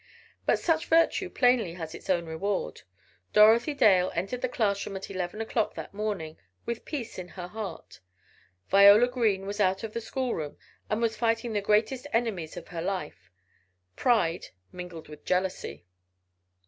But such virtue plainly has its own reward Dorothy Dale entered the classroom at eleven o'clock that morning, with peace in her heart. Viola Green was out of the school room and was fighting the greatest enemies of her life Pride, mingled with Jealousy.